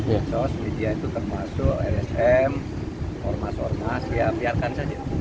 medsos media itu termasuk lsm ormas ormas ya biarkan saja